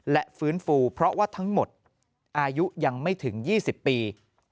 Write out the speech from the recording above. และฟื้นฟูเพราะว่าทั้งหมดอายุยังไม่ถึง๒๐ปี